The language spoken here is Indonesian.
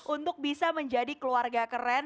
untuk bisa menjadi keluarga keren